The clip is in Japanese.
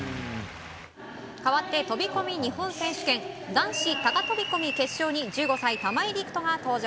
かわって飛び込み日本選手権男子高飛び込み決勝に１５歳、玉井陸斗が登場。